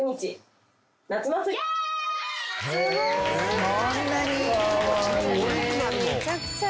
すごーい！